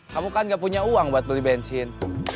kamu kan gak punya uang buat beli bensin